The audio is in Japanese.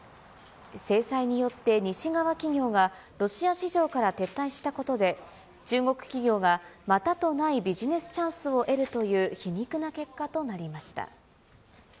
制裁によって西側企業がロシア市場から撤退したことで、中国企業がまたとないビジネスチャンスを得るという皮肉な結果となりました。